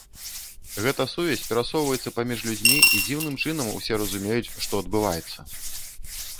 Гэта сувязь перасоўваецца паміж людзьмі, і дзіўным чынам усе разумеюць, што адбываецца.